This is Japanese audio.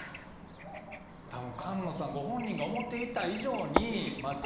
多分菅野さんご本人が思っていた以上に。